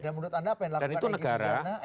dan menurut anda apa yang lakukan egy sejana